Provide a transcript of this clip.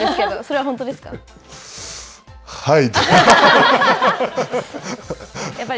はい。